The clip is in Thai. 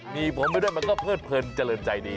หนีบผมไปด้วยมันก็เพิ่นเค้าเจริญใจดี